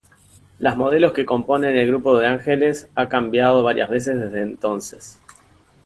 Las modelos que componen el grupo de Ángeles ha cambiado varias veces desde entonces.